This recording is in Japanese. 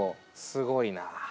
すごいな。